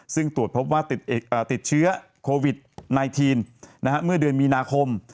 ซึ่งตรวจพบว่าติดเอ่อติดเชื้อโควิดไนทีนนะฮะเมื่อเดือนมีนาคม